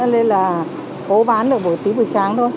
nên là cố bán được tí buổi sáng thôi